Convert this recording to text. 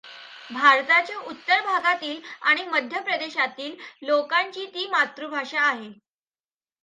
भारताच्या उत्तर भागातील आणि मध्य प्रदेशातील लोकांची ती मातृभाषा आहे.